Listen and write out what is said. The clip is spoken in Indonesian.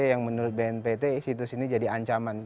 yang menurut bnpt situs ini jadi ancaman